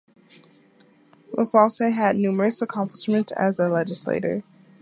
LaFalce had numerous accomplishments as a legislator.